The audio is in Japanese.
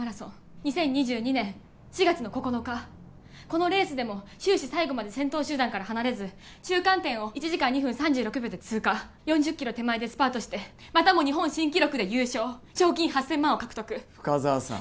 このレースでも終始最後まで先頭集団から離れず中間点を１時間２分３６秒で通過４０キロ手前でスパートしてまたも日本新記録で優勝賞金８０００万を獲得深沢さん